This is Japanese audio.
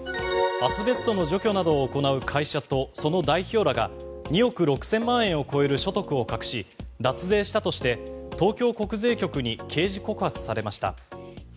アスベストの除去などを行う会社とその代表らが２億６００万円を超える所得を隠し脱税したとして、東京国税局に刑事告発されました。